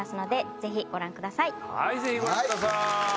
ぜひご覧ください！